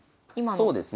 そうですね。